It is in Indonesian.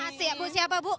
nasi ya bu siapa bu